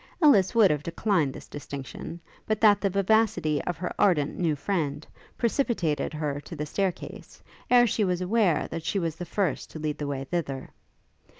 Ellis would have declined this distinction, but that the vivacity of her ardent new friend, precipitated her to the staircase, ere she was aware that she was the first to lead the way thither.